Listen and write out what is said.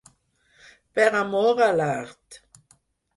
Per amor a l'art.